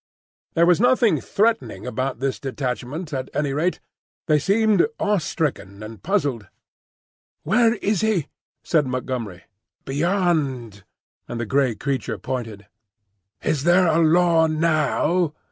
There was nothing threatening about this detachment, at any rate. They seemed awestricken and puzzled. "Where is he?" said Montgomery. "Beyond," and the grey creature pointed. "Is there a Law now?"